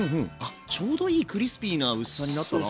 ちょうどいいクリスピーな薄さになったな。